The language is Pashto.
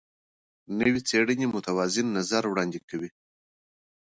نوې څېړنې متوازن نظر وړاندې کوي.